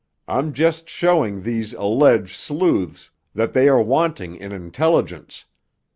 I'm just showing these alleged sleuths that they are wanting in intelligence.